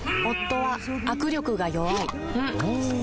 夫は握力が弱い